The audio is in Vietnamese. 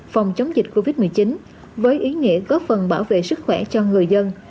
phòng chống dịch covid một mươi chín với ý nghĩa góp phần bảo vệ sức khỏe cho người dân